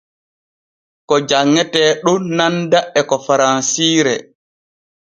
Ko janŋete ɗon nanda e ko faransire.